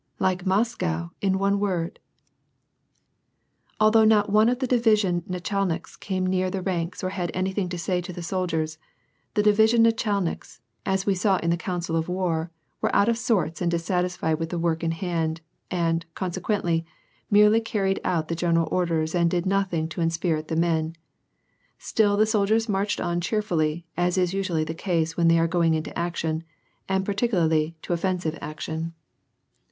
Like Moscow, in one word !" Although not one of the division nachalniks came near the ranks or had anything to say to the soldiers — the division JWchalniks, as we saw in the council of war, were out of sorts *nd dissatisfied with the work in hand, and, consequently, B>erely carried out the general orders and did nothing to in spirit the men — still the soldiers marched on cheerfully, as is usually the case when they are going into action, and psirticu lariy into offensive action. [ 830 H' ^i? AND PEACE.